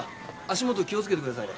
足元気をつけてくださいね。